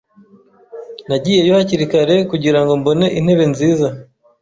Nagiyeyo hakiri kare kugirango mbone intebe nziza.